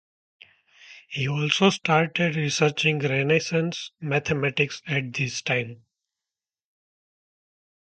He also started researching Renaissance mathematics at this time.